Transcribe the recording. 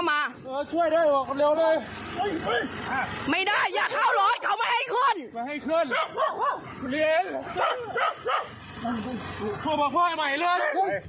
มันจับเรื่องอะไรยังไม่มีรักฐานเลยยังไม่มีรักฐานว่าผิดอะไรเลย